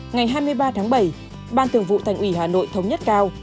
ngày hai mươi ba tháng bảy ban thường vụ thành ủy hà nội thống nhất cao